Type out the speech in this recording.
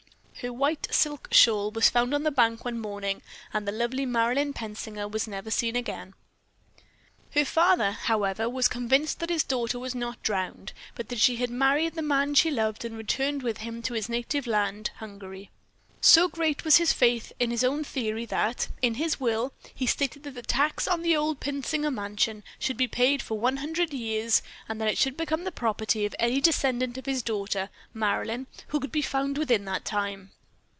Her white silk shawl was found on the bank one morning and the lovely Marilyn Pensinger was never seen again. "Her father, however, was convinced that his daughter was not drowned, but that she had married the man she loved and returned with him to his native land, Hungary. So great was his faith in his own theory that, in his will, he stated that the taxes on the old Pensinger mansion should be paid for one hundred years and that it should become the property of any descendant of his daughter, Marilyn, who could be found within that time.